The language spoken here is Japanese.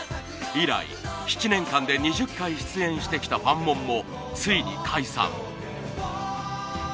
以来７年間で２０回出演してきたファンモンもついに解散。